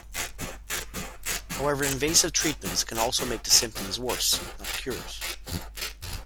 However invasive treatments can also make the symptoms worse, not cure it.